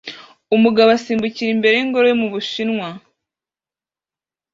Umugabo asimbukira imbere yingoro yo mu Bushinwa